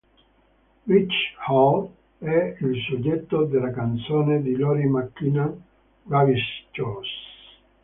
Bridges Hall è il soggetto della canzone di Lori McKenna "Ruby's Shoes".